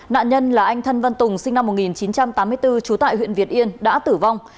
nạn nhân là anh thân văn tùng sinh năm một nghìn chín trăm tám mươi bốn trú tại huyện việt yên đã tử vong